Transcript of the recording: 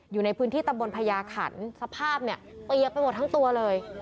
อยู่ในพื้นที่ตำบลพญาขันสภาพเนี่ยเปียกไปหมดทั้งตัวเลย